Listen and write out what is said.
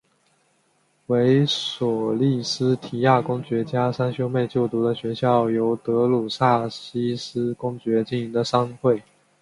为索利斯提亚公爵家三兄妹就读的学校由德鲁萨西斯公爵经营的商会。